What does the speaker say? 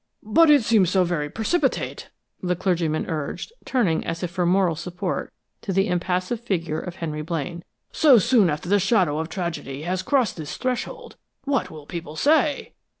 "But it seems so very precipitate!" the clergyman urged, turning as if for moral support to the impassive figure of Henry Blaine. "So soon after the shadow of tragedy has crossed this threshold! What will people say?"